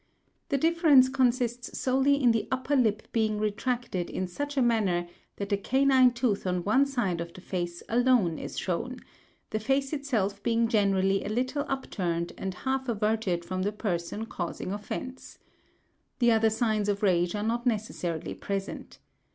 The difference consists solely in the upper lip being retracted in such a manner that the canine tooth on one side of the face alone is shown; the face itself being generally a little upturned and half averted from the person causing offence. The other signs of rage are not necessarily present.